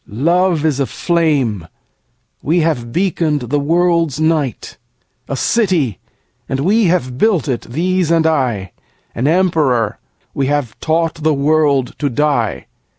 Love is a flame; we have beaconed the world's night. A city: and we have built it, these and I. An emperor: we have taught the world to die.